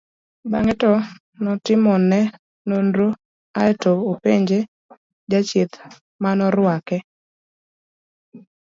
bang'e to notimone nonro ae to openje jachieth manorwake